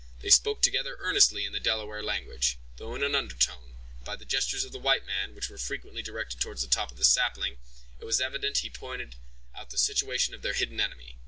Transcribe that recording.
They spoke together earnestly in the Delaware language, though in an undertone; and by the gestures of the white man, which were frequently directed towards the top of the sapling, it was evident he pointed out the situation of their hidden enemy.